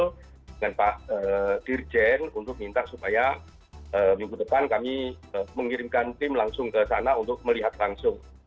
dengan pak dirjen untuk minta supaya minggu depan kami mengirimkan tim langsung ke sana untuk melihat langsung